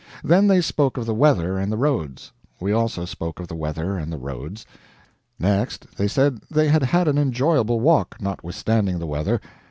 Then they spoke of the weather and the roads. We also spoke of the weather and the roads. Next, they said they had had an enjoyable walk, notwithstanding the weather.